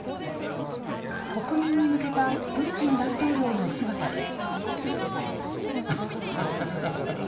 国民に向けたプーチン大統領の姿です。